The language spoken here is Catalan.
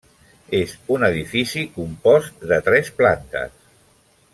És un edifici compost de tres plantes.